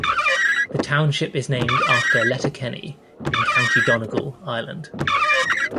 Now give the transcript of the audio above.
The township is named after Letterkenny in County Donegal, Ireland.